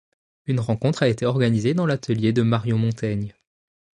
Une rencontre a été organisée dans l'atelier de Marion Montaigne.